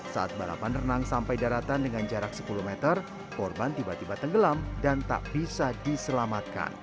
saat balapan renang sampai daratan dengan jarak sepuluh meter korban tiba tiba tenggelam dan tak bisa diselamatkan